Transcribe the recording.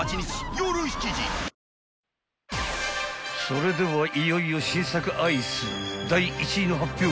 ［それではいよいよ新作アイス第１位の発表］